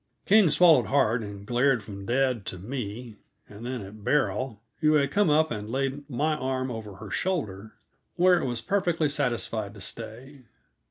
King swallowed hard and glared from dad to me, and then at Beryl, who had come up and laid my arm over her shoulder where it was perfectly satisfied to stay.